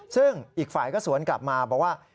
ซึ่งอีกฝ่ายก็สวนกลับมาบอกว่า